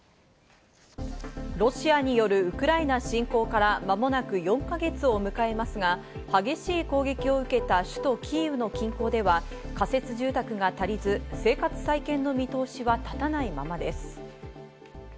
ロシアによるウクライナ侵攻から間もなく４か月を迎えますが、激しい攻撃を受けた、首都キーウの近郊では仮設住宅が足りず、生活再建の見通しはたたないままです。